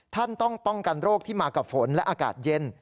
ท่านต้องป้องกันโรคที่มากับฝนและอากาศเย็น